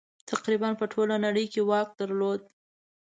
تقریباً پر ټوله نړۍ یې واک درلود.